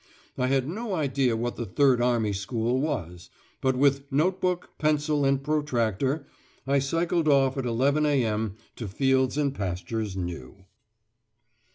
I had no idea what the "Third Army School" was, but with "note book, pencil, and protractor" I cycled off at 11.0 a.m. "to fields and pastures new."